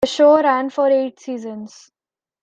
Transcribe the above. The show ran for eight seasons.